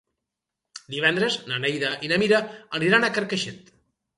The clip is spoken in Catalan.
Divendres na Neida i na Mira aniran a Carcaixent.